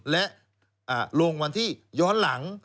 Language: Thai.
และลงวันที่ย้อนหลัง